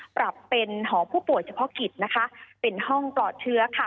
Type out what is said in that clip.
ปรับเป็นหอผู้ป่วยเฉพาะกิจนะคะเป็นห้องปลอดเชื้อค่ะ